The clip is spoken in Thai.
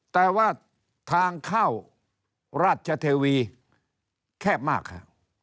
แต่ว่าทางเข้าราชเทวีแคบมากค่ะ